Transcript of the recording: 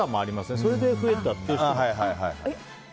それで増えたという人も。